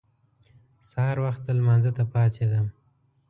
سهار وخته لمانځه ته پاڅېدم.